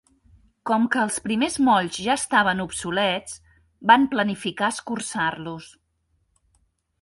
Com que els primers molls ja estaven obsolets, van planificar escurçar-los.